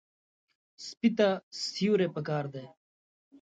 سپي ته سیوري پکار دی.